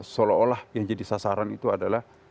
seolah olah yang jadi sasaran itu adalah